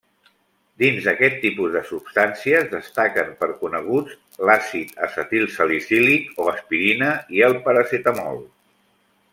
Dins d'aquest tipus de substàncies destaquen per coneguts l'àcid acetilsalicílic o aspirina i el paracetamol.